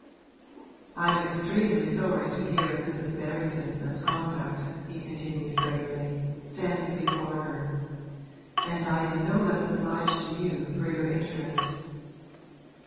'I'm extremely sorry to hear of Mrs. Berrington's misconduct,' he continued gravely, standing before her. 'And I am no less obliged to you for your interest.'